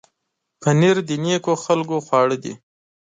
پنېر د نېکو خلکو خواړه دي.